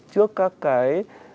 trước các cái